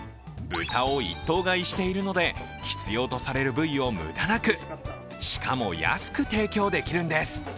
豚を一頭買いしているので必要とされる部位を無駄なくしかも安く提供できるんです。